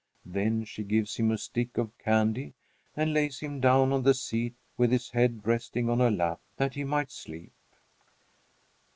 Then she gives him a stick of candy and lays him down on the seat with his head resting on her lap, that he might sleep.